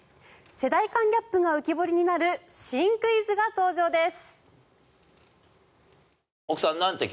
世代間ギャップが浮き彫りになる新クイズが登場です。